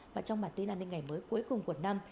và trong bản tin an ninh ngày mới cuối cùng của năm